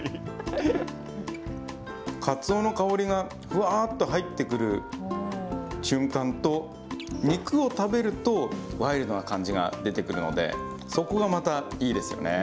カツオの香りがふわーっと入ってくる瞬間と、肉を食べると、ワイルドな感じが出てくるので、そこがまた、いいですよね。